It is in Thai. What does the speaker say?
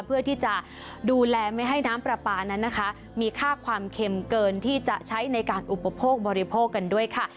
เพื่อที่จะดูแลไม่ให้น้ำปลาปลานั้นนะคะมีค่าความเค็มเกินที่จะใช้ในการอุปโภคบริโภคกันด้วยค่ะ